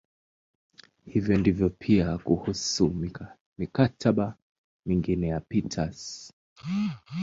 Hivyo ndivyo pia kuhusu "mikataba" mingine ya Peters.